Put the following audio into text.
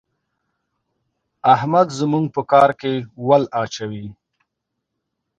احمد زموږ په کار کې ول اچوي.